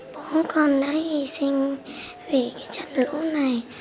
bố con đã hy sinh vì cái trận lũ này